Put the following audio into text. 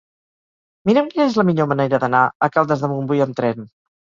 Mira'm quina és la millor manera d'anar a Caldes de Montbui amb tren.